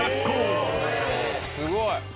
すごい。